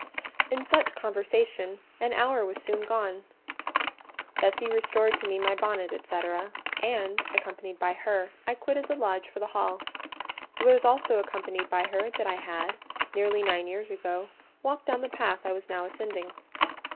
In such conversation an hour was soon gone: Bessie restored to me my bonnet, &c., and, accompanied by her, I quitted the lodge for the hall. It was also accompanied by her that I had, nearly nine years ago, walked down the path I was now ascending.